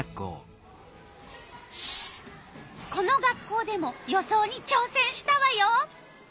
この学校でも予想にちょうせんしたわよ。